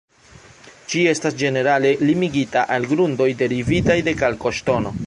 Ĝi estas ĝenerale limigita al grundoj derivitaj de kalkoŝtono.